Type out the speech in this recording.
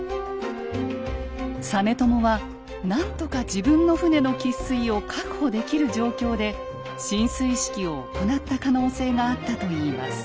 実朝は何とか自分の船の喫水を確保できる状況で進水式を行った可能性があったといいます。